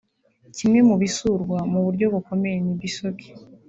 Kimwe mu bisurwa mu buryo bukomeye ni Bisoke